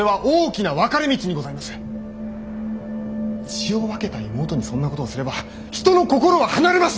血を分けた妹にそんなことをすれば人の心は離れます！